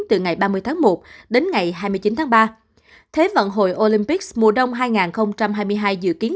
từ ngày ba mươi tháng một đến ngày hai mươi chín tháng ba thế vận hội olympic mùa đông hai nghìn hai mươi hai dự kiến